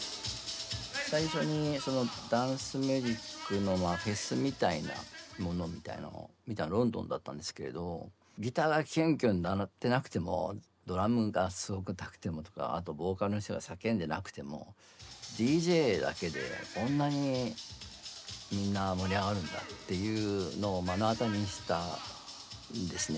最初にそのダンスミュージックのフェスみたいなものを見たのはロンドンだったんですけれどギターがキュンキュン鳴ってなくてもドラムがすごくなくてもとかあとボーカルの人が叫んでなくてもＤＪだけでこんなにみんな盛り上がるんだっていうのを目の当たりにしたんですね